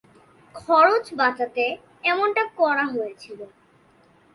খরচ বাঁচাতে এমনটা করা হয়েছিল।